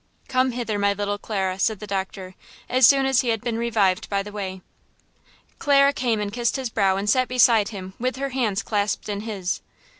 "Come hither, my little Clara," said the doctor, as soon as he had been revived by the whey. Clara came and kissed his brow and sat beside him with her hands clasped in his.